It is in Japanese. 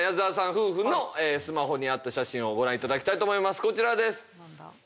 夫婦のスマホにあった写真をご覧いただきたいと思います。